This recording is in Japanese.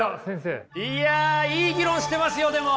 いやいい議論してますよでも。